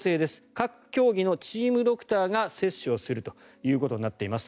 各競技のチームドクターが接種をするということになっています。